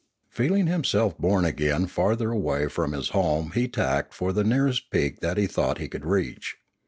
Feeling himself borne again farther away from his home he tacked for the nearest peak that he thought he could reach.